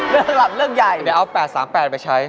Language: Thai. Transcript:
สลับเรื่องใหญ่เดี๋ยวเอา๘๓๘ไปใช้